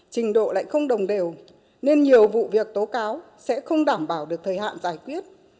trình độ lại không đồng đều nên nhiều vụ việc tố cáo sẽ không đảm bảo được thời hạn giải quyết